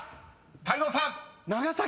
［泰造さん］